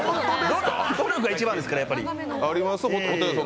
努力が一番ですから、やっぱり。